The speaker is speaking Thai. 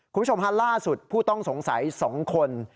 คุณผู้ชมฮะล่าสุดผู้ต้องสงสัย๒คน